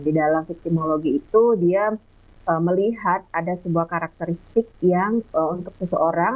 di dalam victimologi itu dia melihat ada sebuah karakteristik yang untuk seseorang